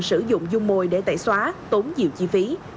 cầu ba son đã được sử dụng dung mồi để tẩy xóa tốn nhiều chi phí